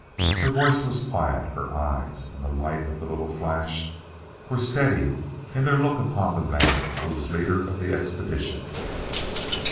Her voice was quiet; her eyes, in the light of the little flash, were steady in their look upon the man who was leader of the expedition.